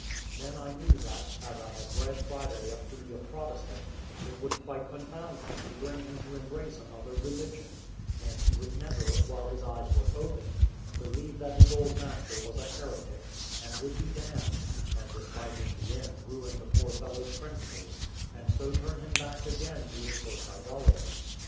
Then I knew that, as I had bred Friday up to be a Protestant, it would quite confound him to bring him to embrace another religion; and he would never, while his eyes were open, believe that his old master was a heretic, and would be damned; and this might in the end ruin the poor fellow's principles, and so turn him back again to his first idolatry.